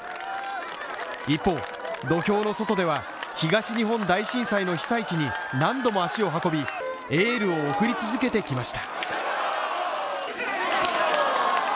一方、土俵の外では、東日本大震災の被災地に何度も足を運び、エールを送り続けてきました。